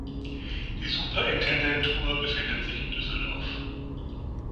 Die Superintendentur befindet sich in Düsseldorf.